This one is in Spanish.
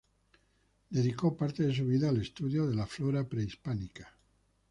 Dedicó parte de su vida al estudio de la flora prehispánica.